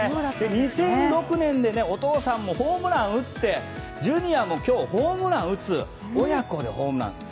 ２００６年にお父さんもホームランを打ってジュニアも今日ホームランを打つ親子でホームランです。